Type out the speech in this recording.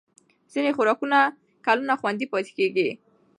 ځینې خوراکونه کلونه خوندي پاتې کېږي.